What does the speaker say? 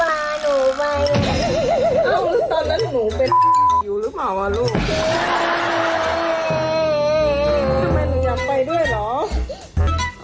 ทำไมหนูอยากไปด้วยหรอก